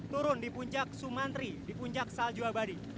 turun di puncak sumantri di puncak salju abadi